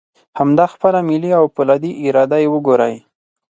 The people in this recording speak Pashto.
همدا خپله ملي او فولادي اراده یې وګورئ.